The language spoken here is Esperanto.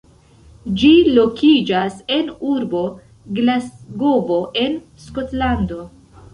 Ĝi lokiĝas en urbo Glasgovo en Skotlando.